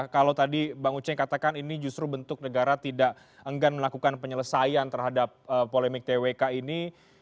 kalau tadi bang uceng katakan ini justru bentuk negara tidak enggan melakukan penyelesaian terhadap polemik twk ini